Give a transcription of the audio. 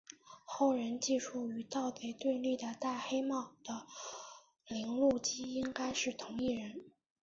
后人记述与盗贼对立的戴黑帽的铃鹿姬应该是同一人。